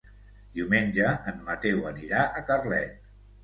Diumenge en Mateu anirà a Carlet.